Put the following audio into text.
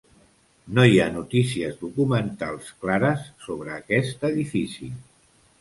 No hi ha notícies documentals clares sobre aquest edifici.